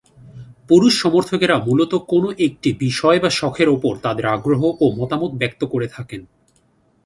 পুরুষ সমর্থকেরা মূলত কোন একটি বিষয় বা শখের উপর তাদের আগ্রহ ও মতামত ব্যক্ত করে থাকেন।